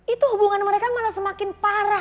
itu hubungan mereka malah semakin parah